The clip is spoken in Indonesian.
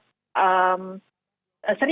jika memang bukan sesuai dengan kondisi kesehatan ratu